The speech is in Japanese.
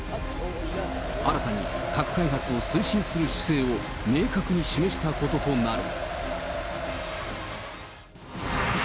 新たに核開発を推進する姿勢を明確に示したこととなる。